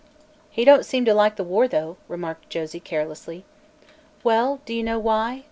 "He don't seem to like the war, though," remarked Josie carelessly. "Well, do you know why?